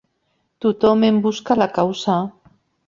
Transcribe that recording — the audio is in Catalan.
Tothom en busca la causa.